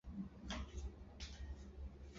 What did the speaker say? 显示气象局未有悬挂八号风球做法错误。